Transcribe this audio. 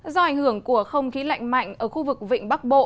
do ảnh hưởng của không khí lạnh mạnh ở khu vực vịnh bắc bộ